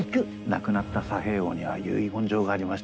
亡くなった佐兵衛翁には遺言状がありまして。